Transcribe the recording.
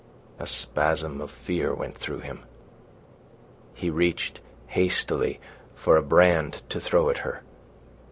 A spasm of fear went through him. He reached hastily for a brand to throw at her.